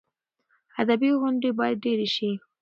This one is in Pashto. ادبي غونډې باید ډېرې شي.